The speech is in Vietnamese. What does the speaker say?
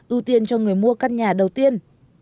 ưu tiên cho người mua căn nhà đầu tiên